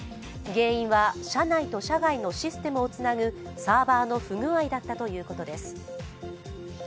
原因は、社内と社外のシステムをつなぐサーバーの不具合だったということです。